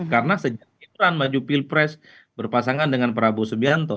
karena sejak gibran maju pilpres berpasangan dengan prabowo subianto